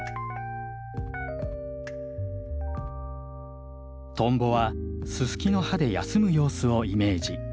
トンボはススキの葉で休む様子をイメージ。